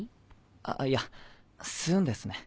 あいや吸うんですね。